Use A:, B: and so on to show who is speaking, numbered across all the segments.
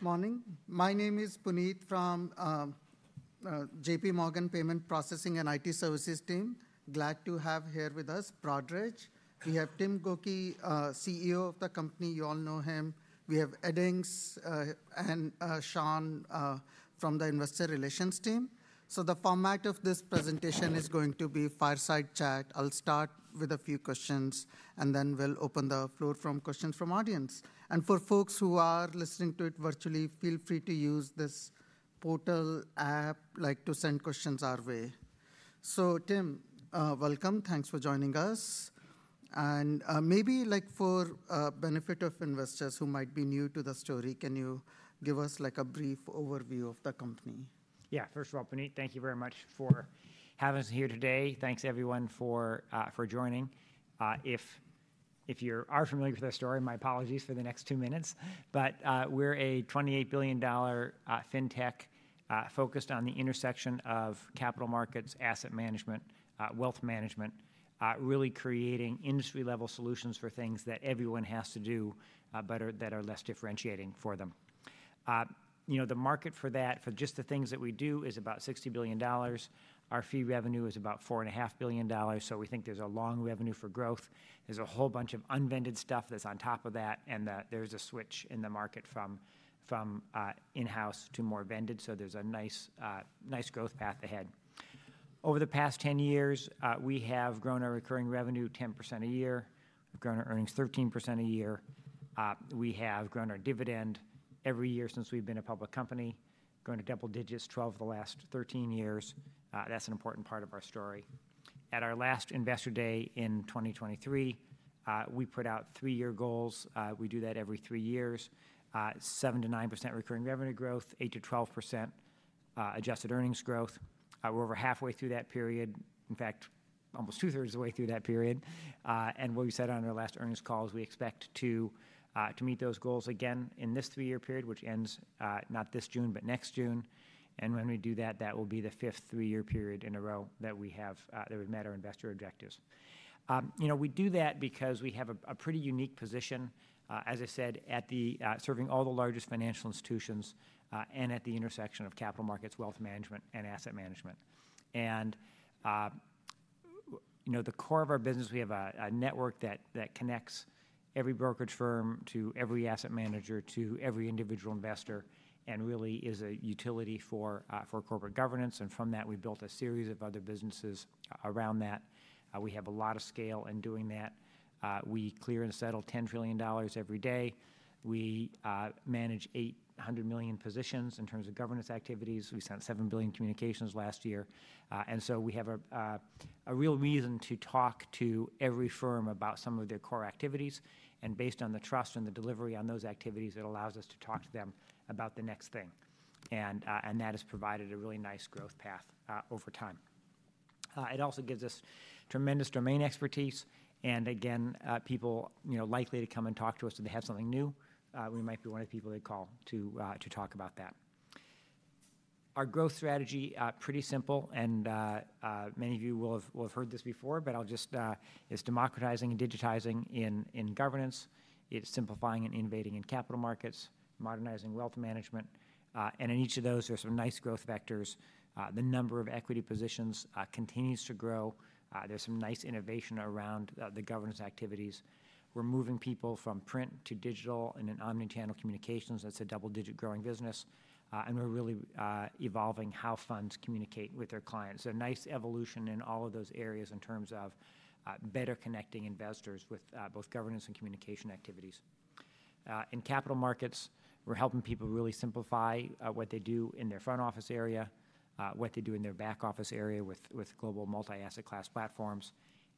A: Yeah. Morning. My name is Puneet from J.P. Morgan Payment Processing and IT Services team. Glad to have here with us, Broadridge. We have Tim Gokey, CEO of the company; you all know him. We have Edings and Sean from the Investor Relations team. The format of this presentation is going to be fireside chat. I'll start with a few questions, then we'll open the floor for questions from the audience. For folks who are listening to it virtually, feel free to use this portal app to send questions our way. Tim, welcome. Thanks for joining us. Maybe for the benefit of investors who might be new to the story, can you give us a brief overview of the company?
B: Yeah. First of all, Puneet, thank you very much for having us here today. Thanks, everyone, for joining. If you are familiar with our story, my apologies for the next two minutes. We are a $28 billion fintech focused on the intersection of capital markets, asset management, wealth management, really creating industry-level solutions for things that everyone has to do but that are less differentiating for them. The market for that, for just the things that we do, is about $60 billion. Our fee revenue is about $4.5 billion. We think there is a long revenue for growth. There is a whole bunch of unvended stuff that is on top of that. There is a switch in the market from in-house to more vended. There is a nice growth path ahead. Over the past 10 years, we have grown our recurring revenue 10% a year. We have grown our earnings 13% a year. We have grown our dividend every year since we've been a public company, grown to double digits, 12 of the last 13 years. That's an important part of our story. At our last investor day in 2023, we put out three-year goals. We do that every three years: 7%-9% recurring revenue growth, 8%-12% adjusted earnings growth. We're over halfway through that period, in fact, almost two-thirds of the way through that period. What we said on our last earnings call is we expect to meet those goals again in this three-year period, which ends not this June, but next June. When we do that, that will be the fifth three-year period in a row that we have that would have met our investor objectives. We do that because we have a pretty unique position, as I said, serving all the largest financial institutions and at the intersection of capital markets, wealth management, and asset management. At the core of our business, we have a network that connects every brokerage firm to every asset manager to every individual investor and really is a utility for corporate governance. From that, we've built a series of other businesses around that. We have a lot of scale in doing that. We clear and settle $10 trillion every day. We manage 800 million positions in terms of governance activities. We sent 7 billion communications last year. We have a real reason to talk to every firm about some of their core activities. Based on the trust and the delivery on those activities, it allows us to talk to them about the next thing. That has provided a really nice growth path over time. It also gives us tremendous domain expertise. Again, people likely to come and talk to us if they have something new, we might be one of the people they call to talk about that. Our growth strategy, pretty simple. Many of you will have heard this before, but it's democratizing and digitizing in governance. It's simplifying and innovating in capital markets, modernizing wealth management. In each of those, there are some nice growth vectors. The number of equity positions continues to grow. There's some nice innovation around the governance activities. We're moving people from print to digital and in omnichannel communications. That's a double-digit growing business. We're really evolving how funds communicate with their clients. Nice evolution in all of those areas in terms of better connecting investors with both governance and communication activities. In capital markets, we're helping people really simplify what they do in their front office area, what they do in their back office area with global multi-asset class platforms.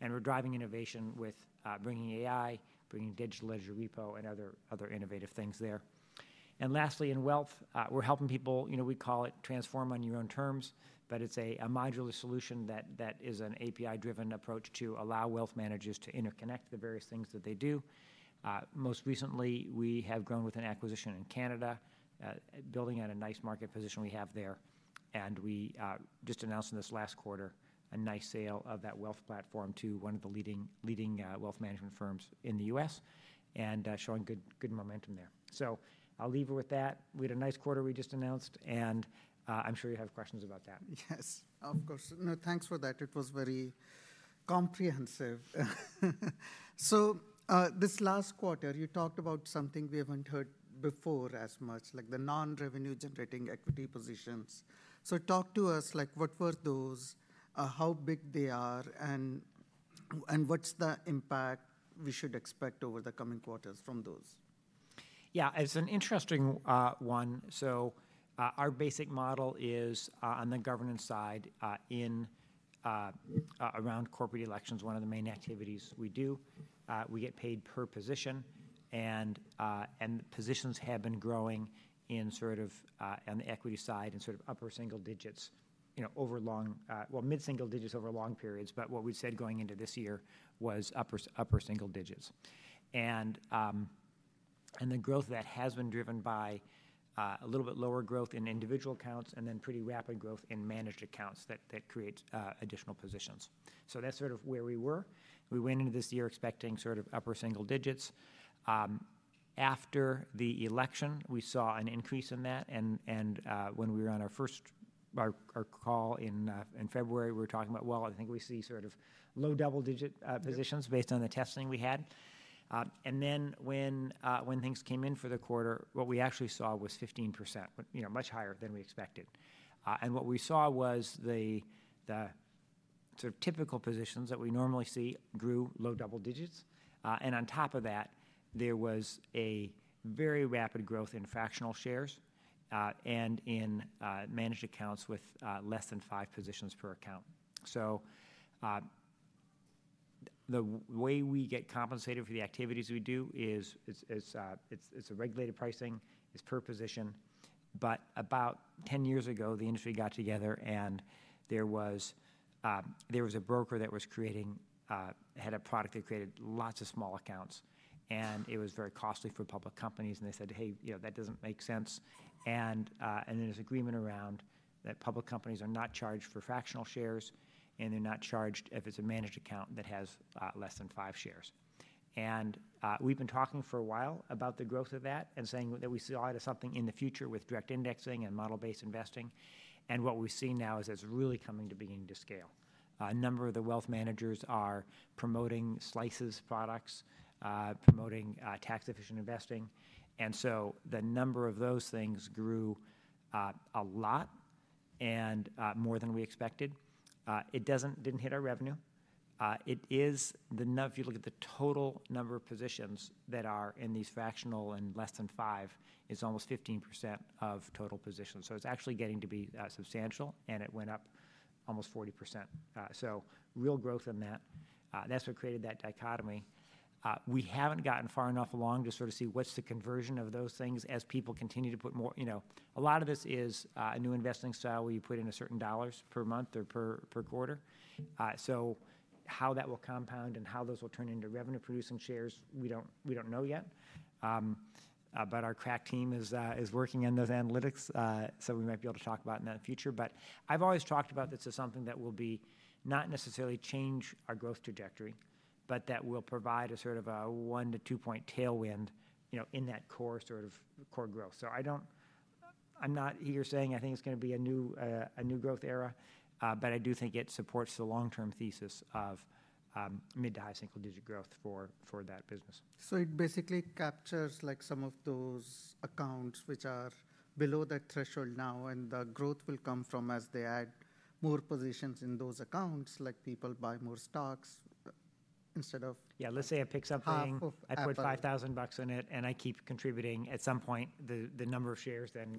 B: We're driving innovation with bringing AI, bringing digital ledger repo, and other innovative things there. Lastly, in wealth, we're helping people, we call it transform on your own terms, but it's a modular solution that is an API-driven approach to allow wealth managers to interconnect the various things that they do. Most recently, we have grown with an acquisition in Canada, building out a nice market position we have there. We just announced in this last quarter a nice sale of that wealth platform to one of the leading wealth management firms in the US and showing good momentum there. I'll leave it with that. We had a nice quarter we just announced, and I'm sure you have questions about that.
A: Yes, of course. No, thanks for that. It was very comprehensive. This last quarter, you talked about something we have not heard before as much, like the non-revenue-generating equity positions. Talk to us, what were those, how big they are, and what is the impact we should expect over the coming quarters from those?
B: Yeah, it's an interesting one. Our basic model is on the governance side around corporate elections, one of the main activities we do. We get paid per position. Positions have been growing in sort of on the equity side in sort of upper single digits over long, well, mid-single digits over long periods. What we said going into this year was upper single digits. The growth of that has been driven by a little bit lower growth in individual accounts and then pretty rapid growth in managed accounts that create additional positions. That's sort of where we were. We went into this year expecting sort of upper single digits. After the election, we saw an increase in that. When we were on our first call in February, we were talking about, well, I think we see sort of low double-digit positions based on the testing we had. When things came in for the quarter, what we actually saw was 15%, much higher than we expected. What we saw was the sort of typical positions that we normally see grew low double digits. On top of that, there was a very rapid growth in fractional shares and in managed accounts with less than five positions per account. The way we get compensated for the activities we do is a regulated pricing, it is per position. About 10 years ago, the industry got together, and there was a broker that was creating a product that created lots of small accounts. It was very costly for public companies. They said, "Hey, that doesn't make sense." There is an agreement around that public companies are not charged for fractional shares, and they are not charged if it is a managed account that has less than five shares. We have been talking for a while about the growth of that and saying that we saw it as something in the future with direct indexing and model-based investing. What we have seen now is it is really coming to beginning to scale. A number of the wealth managers are promoting slices products, promoting tax-efficient investing. The number of those things grew a lot and more than we expected. It did not hit our revenue. If you look at the total number of positions that are in these fractional and less than five, it is almost 15% of total positions. It's actually getting to be substantial, and it went up almost 40%. Real growth in that. That's what created that dichotomy. We haven't gotten far enough along to sort of see what's the conversion of those things as people continue to put more. A lot of this is a new investing style where you put in a certain dollars per month or per quarter. How that will compound and how those will turn into revenue-producing shares, we don't know yet. Our crack team is working on those analytics, so we might be able to talk about it in the future. I've always talked about this as something that will not necessarily change our growth trajectory, but that will provide a sort of a one to two-point tailwind in that core sort of core growth. I'm not here saying I think it's going to be a new growth era, but I do think it supports the long-term thesis of mid to high single-digit growth for that business.
A: It basically captures some of those accounts which are below that threshold now, and the growth will come from as they add more positions in those accounts, like people buy more stocks instead of.
B: Yeah, let's say I pick something that's worth $5,000 in it, and I keep contributing. At some point, the number of shares then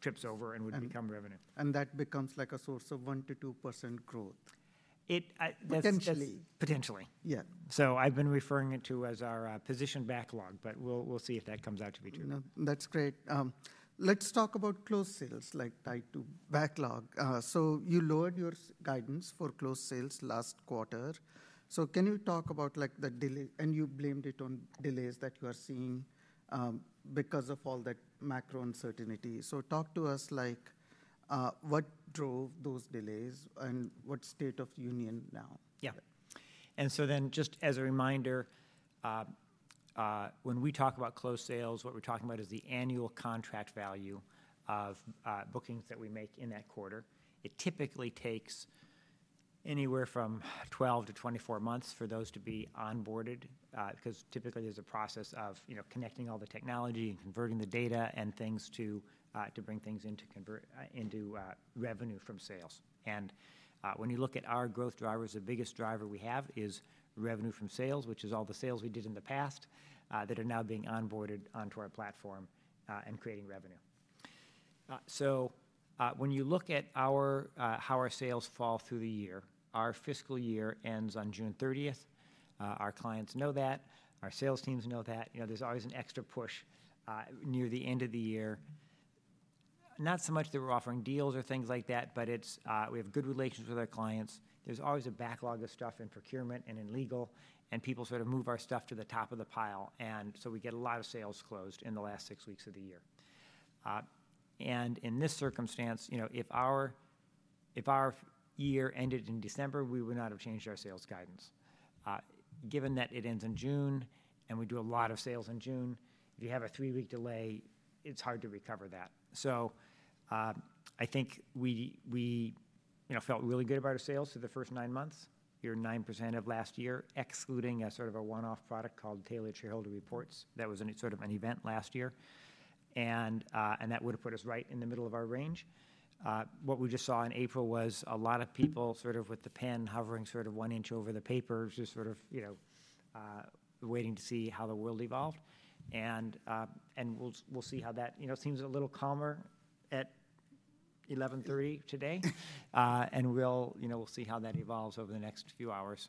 B: trips over and would become revenue.
A: That becomes like a source of 1%-2% growth.
B: Potentially.
A: Potentially.
B: Yeah. I've been referring to it as our position backlog, but we'll see if that comes out to be true.
A: That's great. Let's talk about closed sales, like tied to backlog. You lowered your guidance for closed sales last quarter. Can you talk about the delay? You blamed it on delays that you are seeing because of all that macro uncertainty. Talk to us, what drove those delays and what is the state of union now?
B: Yeah. Just as a reminder, when we talk about closed sales, what we're talking about is the annual contract value of bookings that we make in that quarter. It typically takes anywhere from 12-24 months for those to be onboarded because typically there's a process of connecting all the technology and converting the data and things to bring things into revenue from sales. When you look at our growth drivers, the biggest driver we have is revenue from sales, which is all the sales we did in the past that are now being onboarded onto our platform and creating revenue. When you look at how our sales fall through the year, our fiscal year ends on June 30. Our clients know that. Our sales teams know that. There's always an extra push near the end of the year. Not so much that we're offering deals or things like that, but we have good relations with our clients. There's always a backlog of stuff in procurement and in legal, and people sort of move our stuff to the top of the pile. We get a lot of sales closed in the last six weeks of the year. In this circumstance, if our year ended in December, we would not have changed our sales guidance. Given that it ends in June and we do a lot of sales in June, if you have a three-week delay, it's hard to recover that. I think we felt really good about our sales through the first nine months, your 9% of last year, excluding a sort of a one-off product called Tailored Shareholder Reports that was sort of an event last year. That would have put us right in the middle of our range. What we just saw in April was a lot of people sort of with the pen hovering sort of one inch over the paper, just sort of waiting to see how the world evolved. We'll see how that seems a little calmer at 11:30 today. We'll see how that evolves over the next few hours.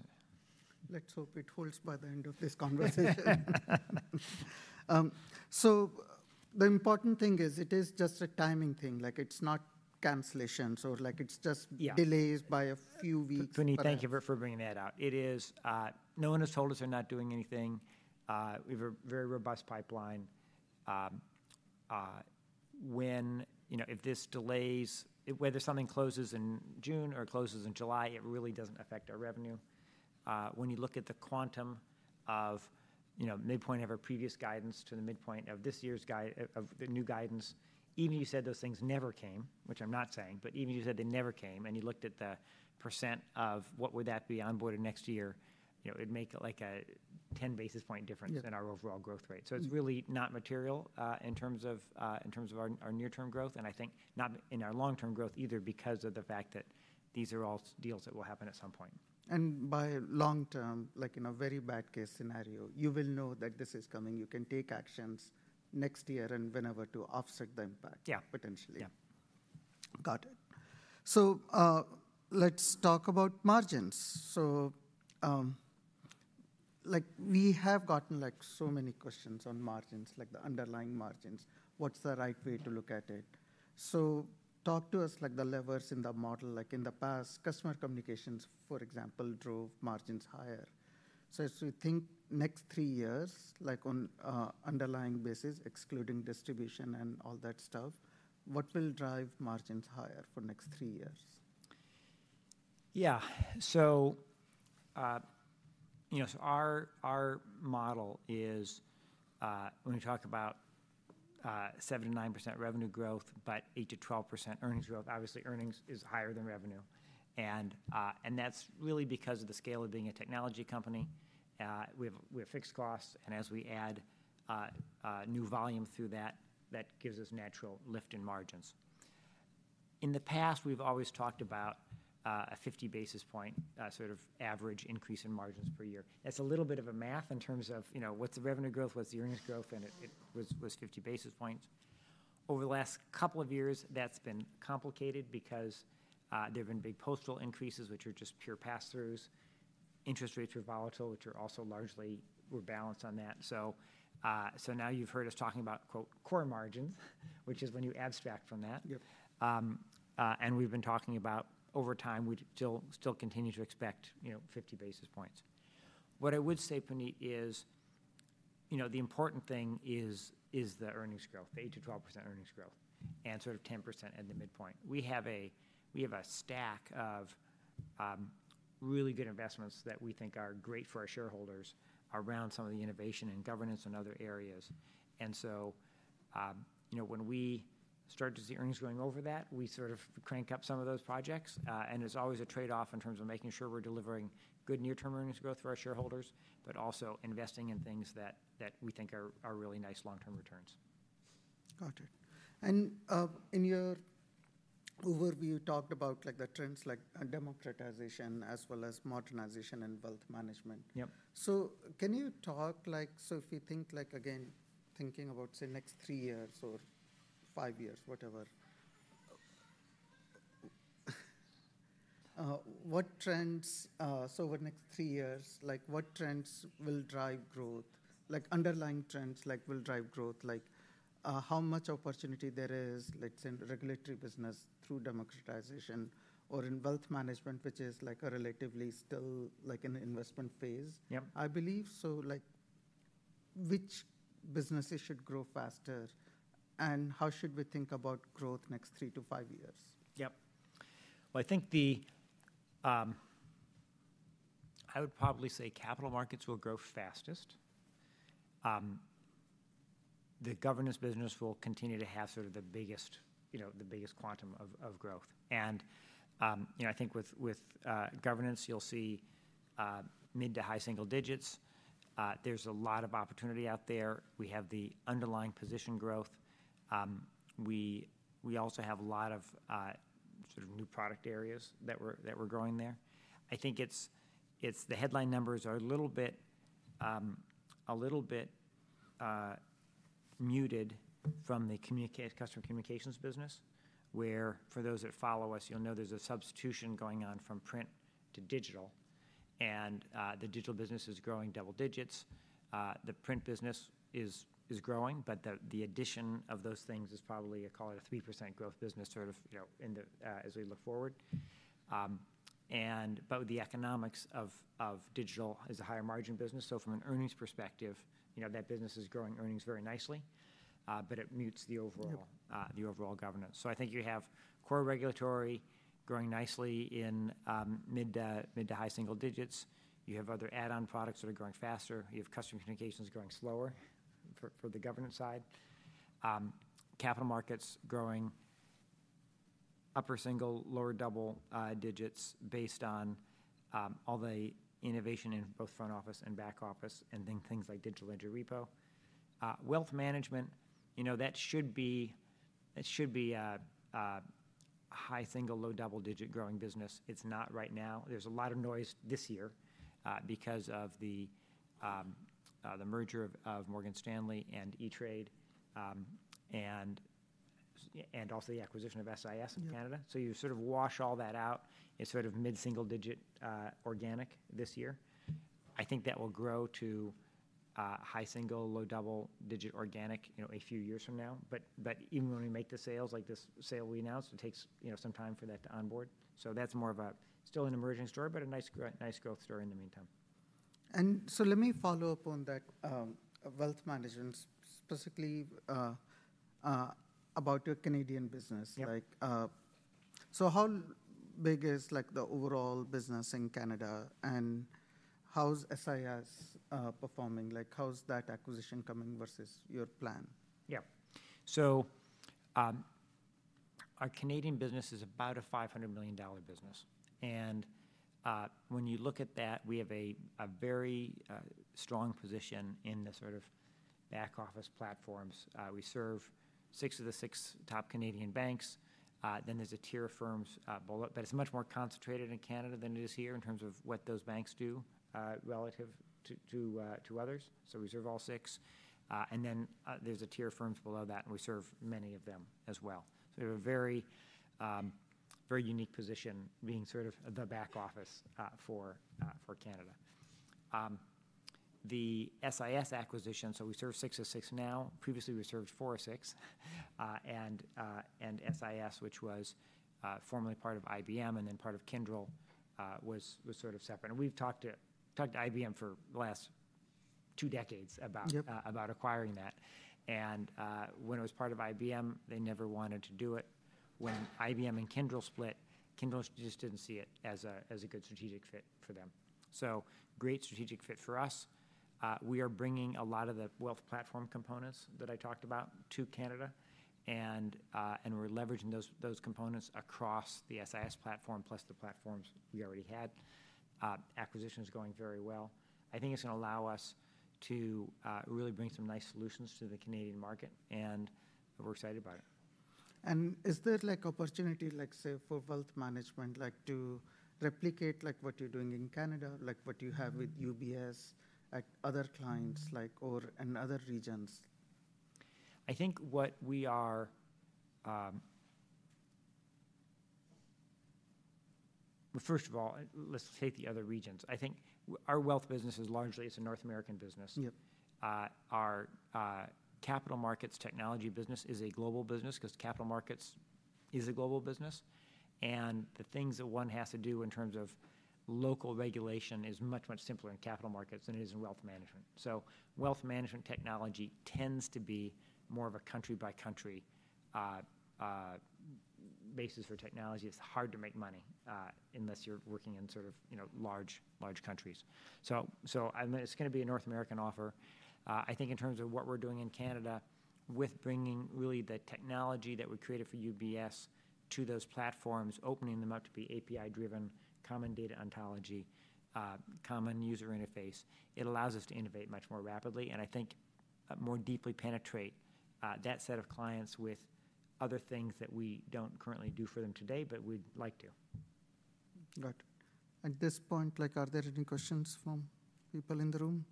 A: Let's hope it holds by the end of this conversation. The important thing is it is just a timing thing. It's not cancellations, or it's just delays by a few weeks.
B: Vinney, thank you for bringing that out. No one has told us they're not doing anything. We have a very robust pipeline. If this delays, whether something closes in June or closes in July, it really doesn't affect our revenue. When you look at the quantum of midpoint of our previous guidance to the midpoint of this year's new guidance, even if you said those things never came, which I'm not saying, but even if you said they never came and you looked at the percent of what would that be onboarded next year, it'd make like a 10 basis point difference in our overall growth rate. It is really not material in terms of our near-term growth, and I think not in our long-term growth either because of the fact that these are all deals that will happen at some point.
A: By long-term, like in a very bad case scenario, you will know that this is coming. You can take actions next year and whenever to offset the impact, potentially.
B: Yeah.
A: Got it. Let's talk about margins. We have gotten so many questions on margins, like the underlying margins. What's the right way to look at it? Talk to us, the levers in the model. In the past, Customer Communications, for example, drove margins higher. As we think next three years, on an underlying basis, excluding distribution and all that stuff, what will drive margins higher for next three years?
B: Yeah. Our model is when we talk about 7%-9% revenue growth, but 8%-12% earnings growth. Obviously, earnings is higher than revenue. That is really because of the scale of being a technology company. We have fixed costs, and as we add new volume through that, that gives us a natural lift in margins. In the past, we have always talked about a 50 basis point sort of average increase in margins per year. That is a little bit of a math in terms of what is the revenue growth, what is the earnings growth, and it was 50 basis points. Over the last couple of years, that has been complicated because there have been big postal increases, which are just pure pass-throughs. Interest rates are volatile, which are also largely balanced on that. Now you have heard us talking about, quote, core margins, which is when you abstract from that. We have been talking about over time, we still continue to expect 50 basis points. What I would say, Vinney, is the important thing is the earnings growth, the 8%-12% earnings growth, and sort of 10% at the midpoint. We have a stack of really good investments that we think are great for our shareholders around some of the innovation and governance in other areas. When we start to see earnings going over that, we sort of crank up some of those projects. It is always a trade-off in terms of making sure we are delivering good near-term earnings growth for our shareholders, but also investing in things that we think are really nice long-term returns.
A: Got it. In your overview, you talked about the trends like democratization as well as modernization in wealth management. Can you talk, if we think, again, thinking about, say, next three years or five years, whatever, what trends, over next three years, what trends will drive growth? Underlying trends will drive growth, like how much opportunity there is, let's say, in regulatory business through democratization or in wealth management, which is a relatively still an investment phase, I believe. Which businesses should grow faster? How should we think about growth next three to five years?
B: Yep. I think I would probably say capital markets will grow fastest. The governance business will continue to have sort of the biggest quantum of growth. I think with governance, you'll see mid to high single digits. There's a lot of opportunity out there. We have the underlying position growth. We also have a lot of sort of new product areas that we're growing there. I think the headline numbers are a little bit muted from the customer communications business, where for those that follow us, you'll know there's a substitution going on from print to digital. The digital business is growing double digits. The print business is growing, but the addition of those things is probably, I call it a 3% growth business sort of as we look forward. The economics of digital is a higher margin business. From an earnings perspective, that business is growing earnings very nicely, but it mutes the overall governance. I think you have core regulatory growing nicely in mid to high single digits. You have other add-on products that are growing faster. You have customer communications growing slower for the governance side. Capital markets growing upper single, lower double digits based on all the innovation in both front office and back office, and then things like digital ledger repo. Wealth management, that should be a high single, low double digit growing business. It's not right now. There's a lot of noise this year because of the merger of Morgan Stanley and E*TRADE and also the acquisition of SIS in Canada. You sort of wash all that out. It's sort of mid single digit organic this year. I think that will grow to high single, low double digit organic a few years from now. Even when we make the sales, like this sale we announced, it takes some time for that to onboard. That is more of a still an emerging story, but a nice growth story in the meantime.
A: Let me follow up on that wealth management, specifically about your Canadian business. How big is the overall business in Canada? How is SIS performing? How is that acquisition coming versus your plan?
B: Yeah. Our Canadian business is about a $500 million business. When you look at that, we have a very strong position in the sort of back office platforms. We serve six of the six top Canadian banks. There is a tier of firms below, but it is much more concentrated in Canada than it is here in terms of what those banks do relative to others. We serve all six. There is a tier of firms below that, and we serve many of them as well. We have a very unique position being sort of the back office for Canada. The SIS acquisition, we serve six of six now. Previously, we served four of six. SIS, which was formerly part of IBM and then part of KKR, was sort of separate. We have talked to IBM for the last two decades about acquiring that. When it was part of IBM, they never wanted to do it. When IBM and KKR split, KKR just did not see it as a good strategic fit for them. Great strategic fit for us. We are bringing a lot of the wealth platform components that I talked about to Canada. We are leveraging those components across the SIS platform plus the platforms we already had. Acquisition is going very well. I think it is going to allow us to really bring some nice solutions to the Canadian market. We are excited about it.
A: Is there an opportunity, say, for wealth management to replicate what you're doing in Canada, like what you have with UBS, other clients, and other regions?
B: I think what we are, first of all, let's take the other regions. I think our wealth business is largely, it's a North American business. Our capital markets technology business is a global business because capital markets is a global business. The things that one has to do in terms of local regulation is much, much simpler in capital markets than it is in wealth management. Wealth management technology tends to be more of a country-by-country basis for technology. It's hard to make money unless you're working in sort of large countries. It's going to be a North American offer. I think in terms of what we're doing in Canada with bringing really the technology that we created for UBS to those platforms, opening them up to be API-driven, common data ontology, common user interface, it allows us to innovate much more rapidly and I think more deeply penetrate that set of clients with other things that we don't currently do for them today, but we'd like to.
A: Got it. At this point, are there any questions from people in the room?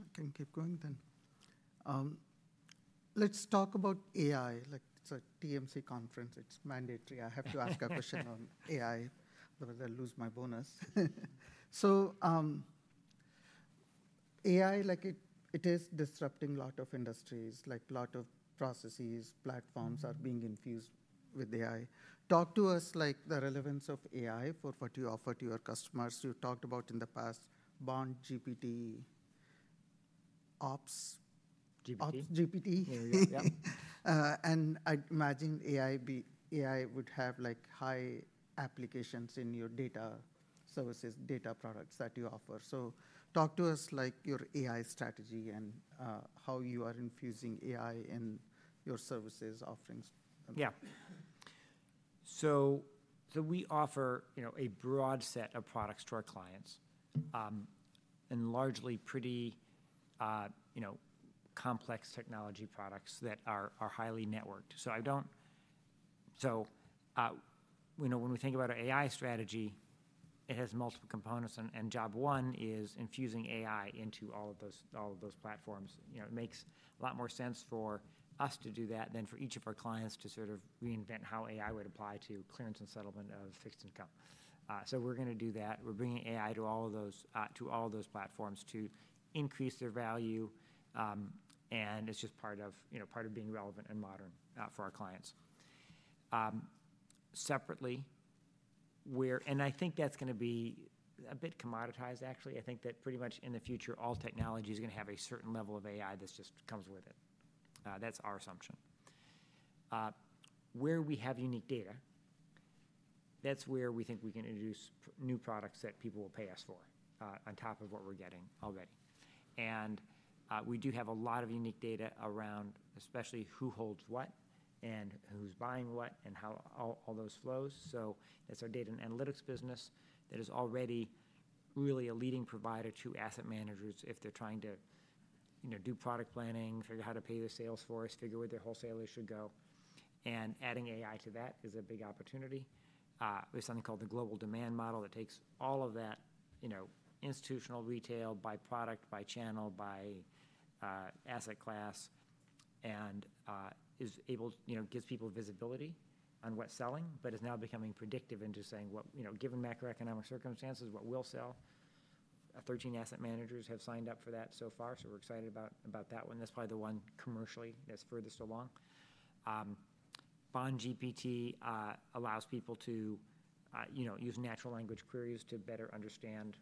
A: I can keep going then. Let's talk about AI. It's a TMC conference. It's mandatory. I have to ask a question on AI because I lose my bonus. AI, it is disrupting a lot of industries. A lot of processes, platforms are being infused with AI. Talk to us the relevance of AI for what you offer to your customers. You talked about in the past Bond GPT, Ops.
B: GPT.
A: Ops GPT. I imagine AI would have high applications in your data services, data products that you offer. Talk to us your AI strategy and how you are infusing AI in your services offerings.
B: Yeah. We offer a broad set of products to our clients and largely pretty complex technology products that are highly networked. When we think about our AI strategy, it has multiple components. Job one is infusing AI into all of those platforms. It makes a lot more sense for us to do that than for each of our clients to sort of reinvent how AI would apply to clearance and settlement of fixed income. We are going to do that. We are bringing AI to all of those platforms to increase their value. It is just part of being relevant and modern for our clients. Separately, and I think that is going to be a bit commoditized, actually. I think that pretty much in the future, all technology is going to have a certain level of AI that just comes with it. That is our assumption. Where we have unique data, that's where we think we can introduce new products that people will pay us for on top of what we're getting already. We do have a lot of unique data around especially who holds what and who's buying what and how all those flows. That's our data and analytics business that is already really a leading provider to asset managers if they're trying to do product planning, figure how to pay their sales for us, figure where their wholesalers should go. Adding AI to that is a big opportunity. There's something called the global demand model that takes all of that institutional retail, by product, by channel, by asset class, and gives people visibility on what's selling, but is now becoming predictive into saying, given macroeconomic circumstances, what will sell. Thirteen asset managers have signed up for that so far. We're excited about that one. That's probably the one commercially that's furthest along. Bond GPT allows people to use natural language queries to better understand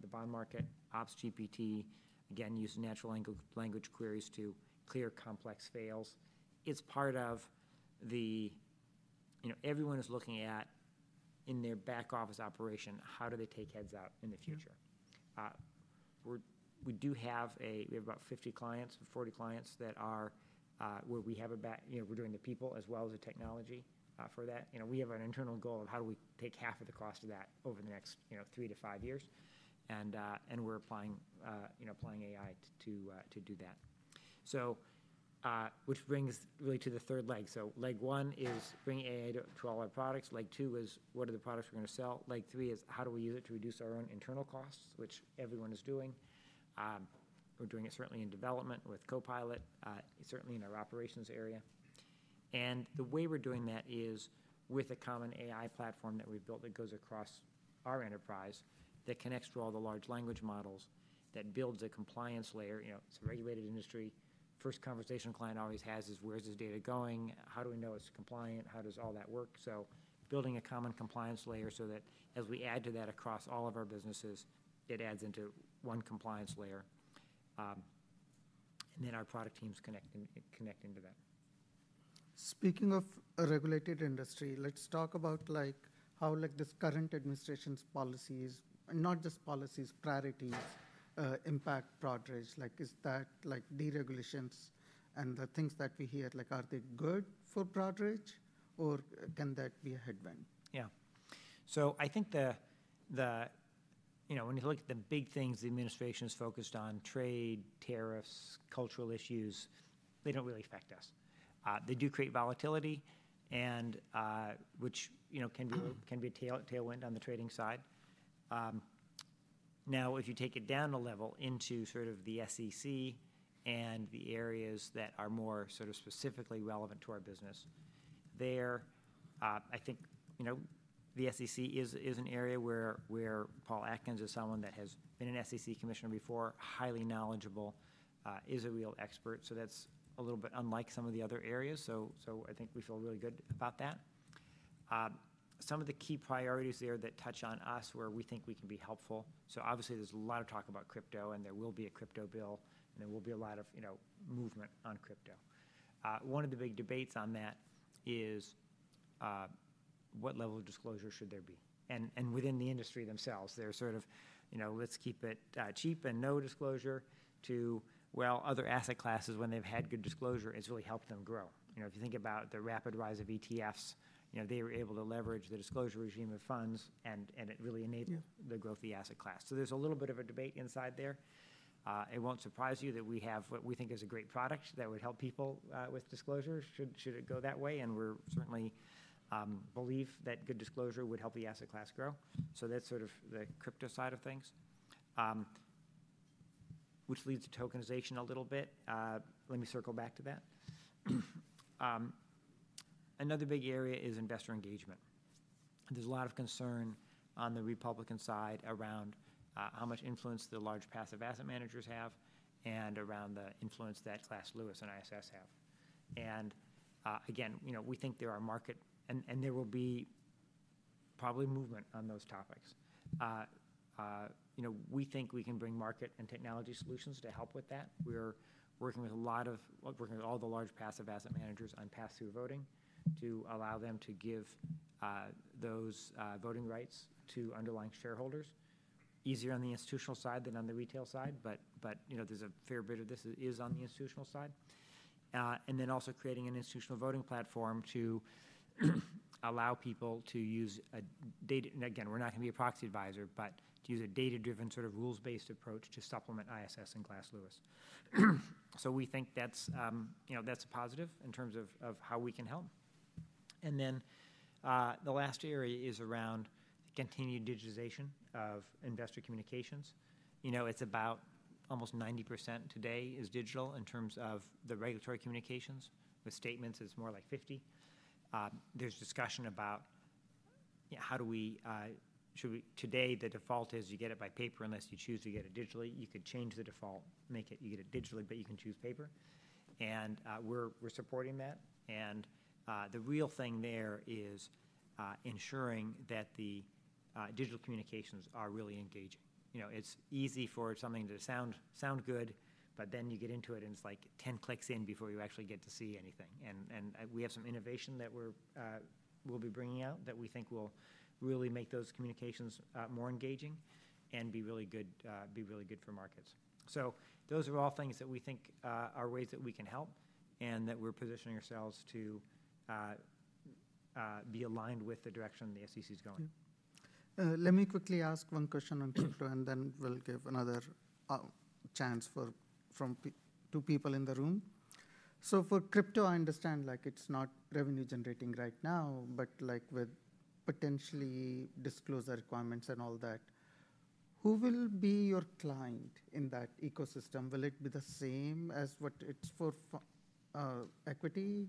B: the bond market. Ops GPT, again, uses natural language queries to clear complex fails. It's part of the everyone is looking at in their back office operation, how do they take heads out in the future? We do have about 50 clients, 40 clients that are where we have a we're doing the people as well as the technology for that. We have an internal goal of how do we take half of the cost of that over the next three to five years. We're applying AI to do that, which brings really to the third leg. Leg one is bringing AI to all our products. Leg two is what are the products we're going to sell? Leg three is how do we use it to reduce our own internal costs, which everyone is doing. We're doing it certainly in development with Copilot, certainly in our operations area. The way we're doing that is with a common AI platform that we've built that goes across our enterprise that connects to all the large language models, that builds a compliance layer. It's a regulated industry. First conversation a client always has is, where's this data going? How do we know it's compliant? How does all that work? Building a common compliance layer so that as we add to that across all of our businesses, it adds into one compliance layer. Our product teams connect into that.
A: Speaking of a regulated industry, let's talk about how this current administration's policies, not just policies, priorities impact Broadridge. Is that deregulations and the things that we hear, are they good for Broadridge or can that be a headwind?
B: Yeah. So I think when you look at the big things the administration is focused on, trade, tariffs, cultural issues, they do not really affect us. They do create volatility, which can be a tailwind on the trading side. Now, if you take it down a level into sort of the SEC and the areas that are more sort of specifically relevant to our business, there, I think the SEC is an area where Paul Atkins is someone that has been an SEC commissioner before, highly knowledgeable, is a real expert. That is a little bit unlike some of the other areas. I think we feel really good about that. Some of the key priorities there that touch on us where we think we can be helpful. Obviously, there's a lot of talk about crypto and there will be a crypto bill and there will be a lot of movement on crypto. One of the big debates on that is what level of disclosure should there be? Within the industry themselves, they're sort of, let's keep it cheap and no disclosure to, well, other asset classes when they've had good disclosure, it's really helped them grow. If you think about the rapid rise of ETFs, they were able to leverage the disclosure regime of funds and it really enabled the growth of the asset class. There's a little bit of a debate inside there. It won't surprise you that we have what we think is a great product that would help people with disclosure, should it go that way. We certainly believe that good disclosure would help the asset class grow. That's sort of the crypto side of things, which leads to tokenization a little bit. Let me circle back to that. Another big area is investor engagement. There's a lot of concern on the Republican side around how much influence the large passive asset managers have and around the influence that Glass Lewis and ISS have. Again, we think there are market and there will be probably movement on those topics. We think we can bring market and technology solutions to help with that. We're working with all the large passive asset managers on pass-through voting to allow them to give those voting rights to underlying shareholders. Easier on the institutional side than on the retail side, but there's a fair bit of this on the institutional side. Then also creating an institutional voting platform to allow people to use data and again, we're not going to be a proxy advisor, but to use a data-driven sort of rules-based approach to supplement ISS and Glass Lewis. We think that's a positive in terms of how we can help. The last area is around continued digitization of investor communications. It's about almost 90% today is digital in terms of the regulatory communications. With statements, it's more like 50%. There's discussion about how do we, should we, today, the default is you get it by paper unless you choose to get it digitally. You could change the default, make it you get it digitally, but you can choose paper. We're supporting that. The real thing there is ensuring that the digital communications are really engaging. It's easy for something to sound good, but then you get into it and it's like 10 clicks in before you actually get to see anything. We have some innovation that we'll be bringing out that we think will really make those communications more engaging and be really good for markets. Those are all things that we think are ways that we can help and that we're positioning ourselves to be aligned with the direction the SEC is going.
A: Let me quickly ask one question on crypto and then we'll give another chance from two people in the room. For crypto, I understand it's not revenue-generating right now, but with potentially disclosure requirements and all that, who will be your client in that ecosystem? Will it be the same as what it's for equity?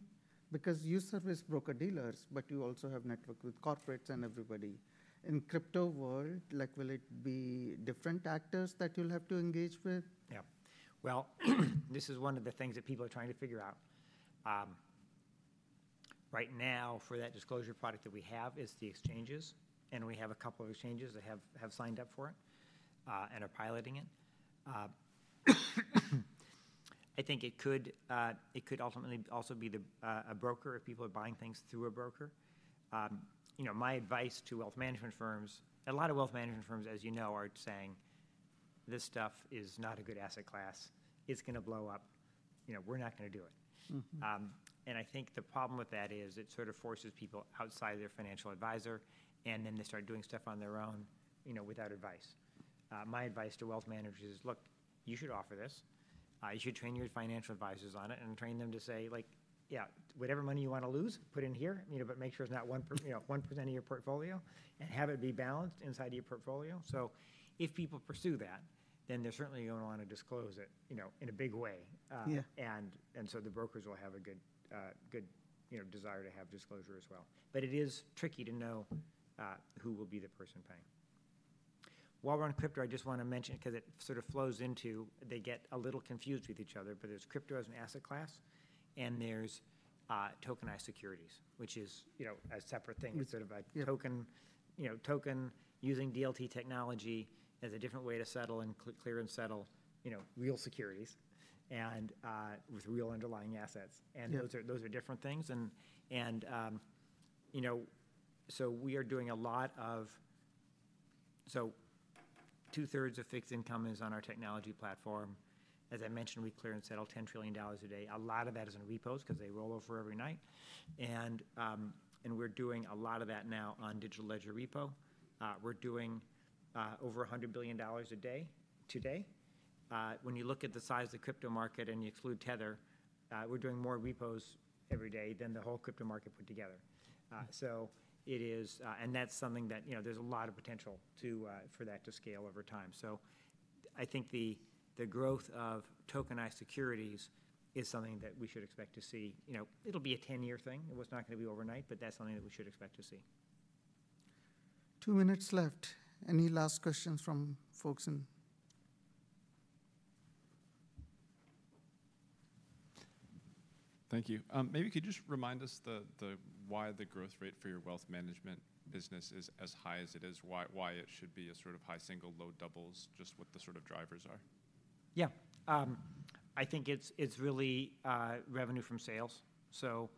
A: Because you service broker-dealers, but you also have network with corporates and everybody. In crypto world, will it be different actors that you'll have to engage with?
B: Yeah. This is one of the things that people are trying to figure out. Right now, for that disclosure product that we have, it's the exchanges. We have a couple of exchanges that have signed up for it and are piloting it. I think it could ultimately also be a broker if people are buying things through a broker. My advice to wealth management firms, a lot of wealth management firms, as you know, are saying, "This stuff is not a good asset class. It's going to blow up. We're not going to do it." I think the problem with that is it sort of forces people outside of their financial advisor, and then they start doing stuff on their own without advice. My advice to wealth managers is, "Look, you should offer this. You should train your financial advisors on it and train them to say, "Yeah, whatever money you want to lose, put it in here, but make sure it's not 1% of your portfolio and have it be balanced inside of your portfolio." If people pursue that, then they're certainly going to want to disclose it in a big way. The brokers will have a good desire to have disclosure as well. It is tricky to know who will be the person paying. While we're on crypto, I just want to mention because it sort of flows into, they get a little confused with each other, but there's crypto as an asset class and there's tokenized securities, which is a separate thing. Instead of a token using DLT technology as a different way to settle and clear and settle real securities with real underlying assets. Those are different things. We are doing a lot of, so two-thirds of fixed income is on our technology platform. As I mentioned, we clear and settle $10 trillion a day. A lot of that is in repos because they roll over every night. We are doing a lot of that now on Digital Ledger repo. We are doing over $100 billion a day today. When you look at the size of the crypto market and you exclude Tether, we are doing more repos every day than the whole crypto market put together. That is something that there is a lot of potential for that to scale over time. I think the growth of tokenized securities is something that we should expect to see. It will be a 10-year thing. It is not going to be overnight, but that is something that we should expect to see.
A: Two minutes left. Any last questions from folks in? Thank you. Maybe could you just remind us why the growth rate for your wealth management business is as high as it is, why it should be a sort of high single, low doubles, just what the sort of drivers are?
B: Yeah. I think it's really revenue from sales. So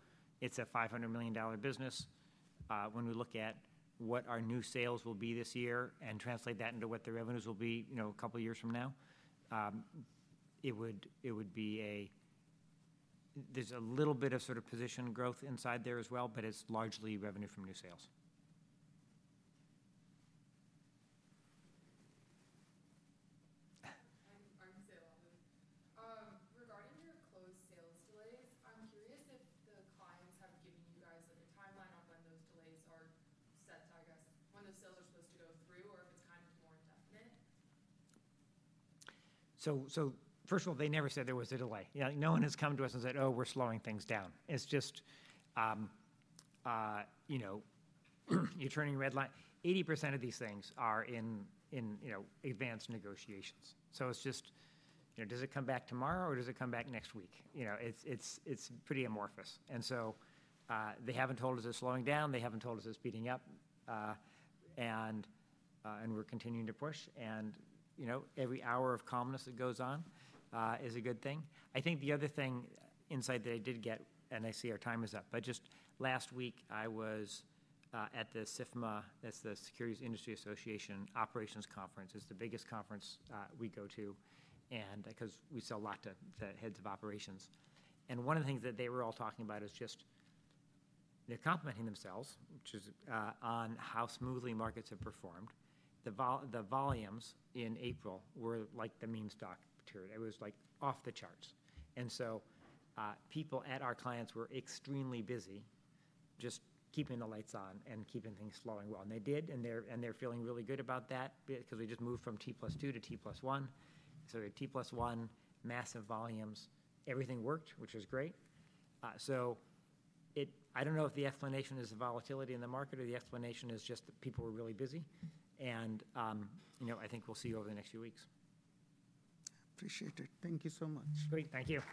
B: it's a $500 million business. When we look at what our new sales will be this year and translate that into what the revenues will be a couple of years from now, it would be a, there's a little bit of sort of position growth inside there as well, but it's largely revenue from new sales. I'm Sale. Regarding your closed sales delays, I'm curious if the clients have given you guys a timeline on when those delays are set, I guess, when those sales are supposed to go through or if it's kind of more indefinite. First of all, they never said there was a delay. No one has come to us and said, "Oh, we're slowing things down." It is just you are turning red light. 80% of these things are in advanced negotiations. It is just, does it come back tomorrow or does it come back next week? It is pretty amorphous. They have not told us it is slowing down. They have not told us it is speeding up. We are continuing to push. Every hour of calmness that goes on is a good thing. The other thing inside that I did get, and I see our time is up, just last week, I was at the SIFMA, that is the Securities Industry and Financial Markets Association Operations Conference. It is the biggest conference we go to because we sell a lot to the heads of operations. One of the things that they were all talking about is just they're complimenting themselves on how smoothly markets have performed. The volumes in April were like the meme stock period. It was like off the charts. People at our clients were extremely busy just keeping the lights on and keeping things flowing well. They did, and they're feeling really good about that because we just moved from T+2 to T+1. T+1, massive volumes, everything worked, which was great. I don't know if the explanation is volatility in the market or the explanation is just that people were really busy. I think we'll see you over the next few weeks.
A: Appreciate it. Thank you so much.
B: Great. Thank you.